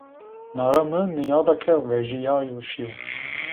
Nara mi nîyada ke vejîyayo şîyo